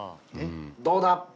どうだ？